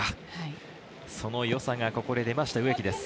その良さがここで出ました、植木です。